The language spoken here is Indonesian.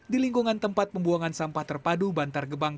di lingkungan tempat pembuangan sampah terpadu bantar gebang